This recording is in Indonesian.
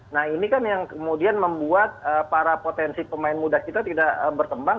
nah ini kan yang kemudian membuat para potensi pemain muda kita tidak berkembang